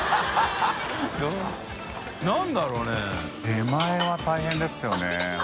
出前は大変ですよね